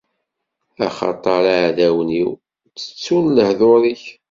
Axaṭer iɛdawen-iw ttettun lehdur-ik.